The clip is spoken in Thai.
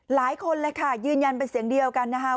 หลายคนเลยค่ะยืนยันเป็นเสียงเดียวกันนะคะ